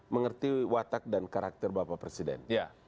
mengerti watak dan karakter bapak presiden